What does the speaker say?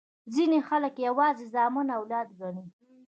ځیني خلګ یوازي زامن اولاد ګڼي.